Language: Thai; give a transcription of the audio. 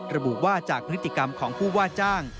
ระบุว่าจากพฤติกรรมของผู้ว่าจ้าง